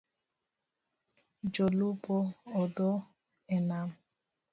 Jo lupo otho e nam.